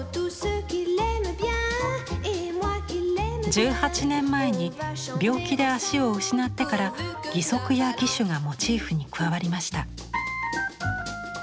１８年前に病気で足を失ってから義足や義手がモチーフに加わりました。